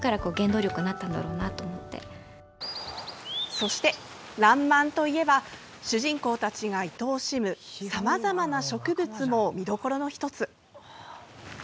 そして「らんまん」といえば主人公たちが愛おしむさまざまな植物も見どころの１つ。